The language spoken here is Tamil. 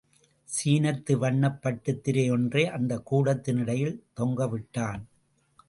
சீனத்து வண்ணப் பட்டுத்திரை யொன்றை அந்தக் கூடத்தின் இடையிலே தொங்கவிட்டான்.